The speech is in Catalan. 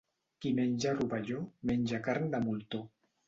Qui menja rovelló, menja carn de moltó.